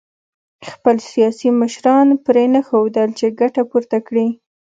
خپل سیاسي مشران پرېنښودل چې ګټه پورته کړي